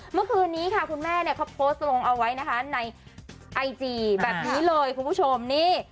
เมื่อคืนนี้ค่ะคุณแม่เนี่ยเขาโพสต์ลงเอาไว้นะคะในไอจีแบบนี้เลยคุณผู้ชมนี่